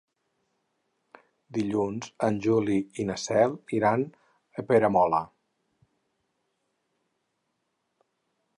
Dilluns en Juli i na Cel iran a Peramola.